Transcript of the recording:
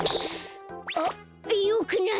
あっよくない！